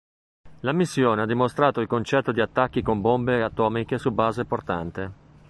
La missione ha dimostrato il concetto di attacchi con bombe atomiche su base portante.